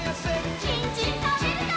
にんじんたべるよ！